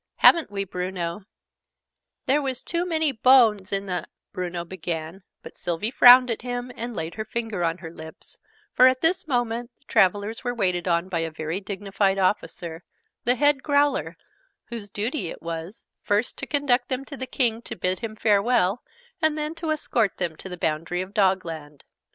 Haven't we, Bruno?" "There was too many bones in the" Bruno began, but Sylvie frowned at him, and laid her finger on her lips, for, at this moment, the travelers were waited on by a very dignified officer, the Head Growler, whose duty it was, first to conduct them to the King to bid him farewell and then to escort them to the boundary of Dogland.